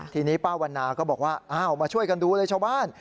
ทีนี้ป้าวันนาก็บอกว่าอ้าวมาช่วยกันดูเลยชาวบ้าน